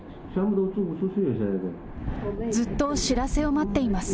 ずっと知らせを待っています。